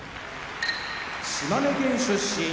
島根県出身